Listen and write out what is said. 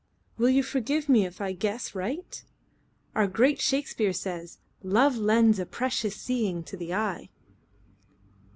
"Will you forgive me if I guess right? Our great Shakespeare says: 'Love lends a precious seeing to the eye.'"